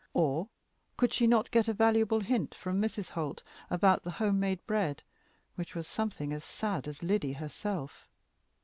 Or could she not get a valuable hint from Mrs. Holt about the home made bread, which was something as "sad" as Lyddy herself?